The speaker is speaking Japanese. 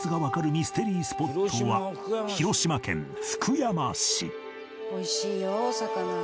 ミステリースポットは「美味しいよお魚が」